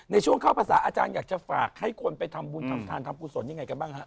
ในช่วงเข้าภาษาอาจารย์อยากจะฝากให้คนไปทำบุญทำทานทำกุศลยังไงกันบ้างฮะ